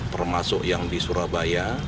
termasuk yang di surabaya